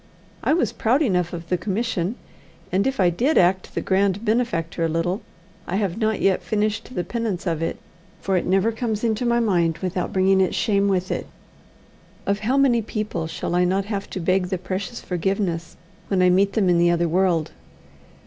I was proud enough of the commission, and if I did act the grand benefactor a little, I have not yet finished the penance of it, for it never comes into my mind without bringing its shame with it. Of how many people shall I not have to beg the precious forgiveness when I meet them in the other world!